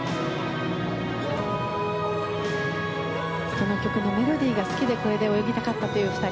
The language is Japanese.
この曲のメロディーが好きでこれで泳ぎたかったという２人。